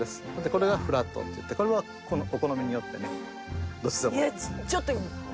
これがフラットっていってこれはお好みによってねどっちでも。